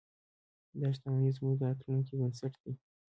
دا شتمنۍ زموږ د راتلونکي بنسټ دی.